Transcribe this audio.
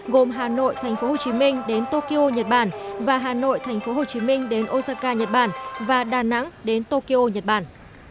gồm hà nội tp hcm đến tokyo nhật bản và hà nội tp hcm đến osaka nhật bản và đà nẵng đến tokyo nhật bản